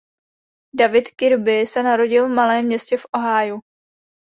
David Kirby se narodil v malém městě v Ohiu.